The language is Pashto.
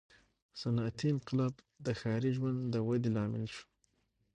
• صنعتي انقلاب د ښاري ژوند د ودې لامل شو.